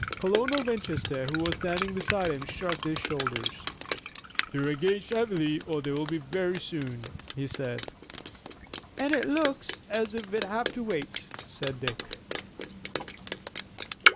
Colonel Winchester, who was standing beside him, shrugged his shoulders. "They're engaged heavily, or they will be very soon," he said. "And it looks as if we'd have to wait," said Dick.